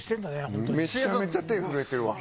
めちゃめちゃ手震えてるわ。